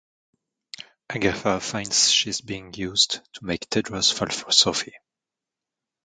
Agatha finds she is being used to make Tedros fall for Sophie.